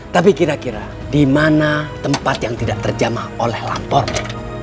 tapi kira kira di mana tempat yang tidak terjamah oleh lampurnya